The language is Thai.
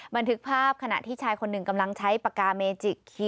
บันทึกภาพขณะที่ชายคนหนึ่งกำลังใช้ปากกาเมจิก